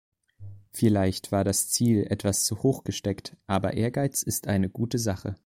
Vielleicht war das Ziel etwas zu hoch gesteckt, aber Ehrgeiz ist eine gute Sache.